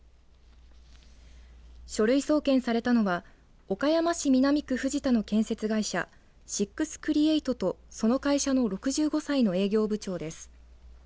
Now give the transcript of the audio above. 書類送検されたのは岡山市南区藤田の建設会社シックスクリエイトとその会社の６５歳の営業部長です。